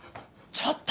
ちょっと。